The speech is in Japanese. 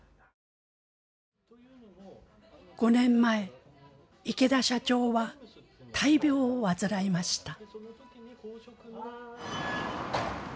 ５年前池田社長は大病を患いました。